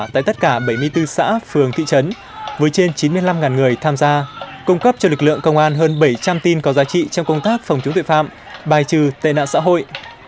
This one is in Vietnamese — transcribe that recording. tại tất cả bảy mươi bốn xã phường thị trấn với trên chín mươi năm người tham gia cung cấp cho lực lượng công an hơn bảy trăm linh tin có giá trị trong công tác phòng chống tội phạm bài trừ tệ nạn xã hội